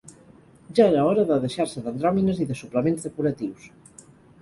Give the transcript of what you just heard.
Ja era hora de deixar-se d'andròmines i de suplements decoratius